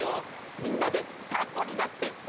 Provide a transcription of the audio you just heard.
みんなでタコになっておよごう！